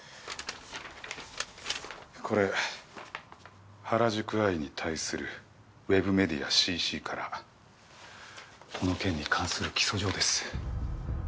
これ『原宿アイ』に対するウェブメディア『ＣＣ』からこの件に関する起訴状です。